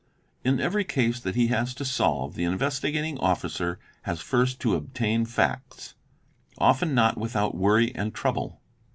In every case that he has to solve the Investigating Officer has first to obtain facts, often not without worry and trouble.